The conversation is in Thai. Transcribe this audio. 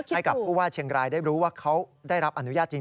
ให้กับผู้ว่าเชียงรายได้รู้ว่าเขาได้รับอนุญาตจริง